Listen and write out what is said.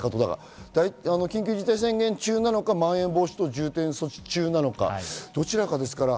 緊急事態宣言中なのか、まん延防止等重点措置中なのか、どちらかですから。